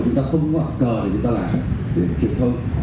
chúng ta không có ảo cờ để chúng ta làm những chuyện thôi